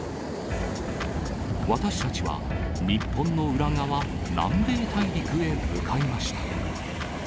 私たちは、日本の裏側、南米大陸へ向かいました。